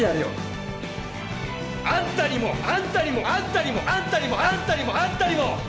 あんたにもあんたにもあんたにもあんたにもあんたにもあんたにも。